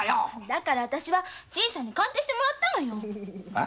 だから私は新さんに鑑定してもらったのよ。